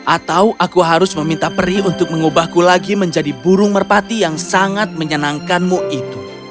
atau aku harus meminta peri untuk mengubahku lagi menjadi burung merpati yang sangat menyenangkanmu itu